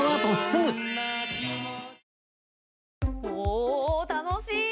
おお楽しい！